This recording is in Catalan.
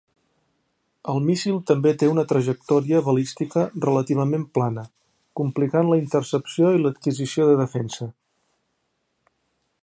El míssil també té una trajectòria balística relativament plana, complicant la intercepció i l'adquisició de defensa.